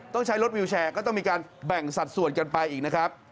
ต้องใช้รถวิวแชร์ก็ต้องมีการแบ่งสัดส่วนกันไปอีกนะครับ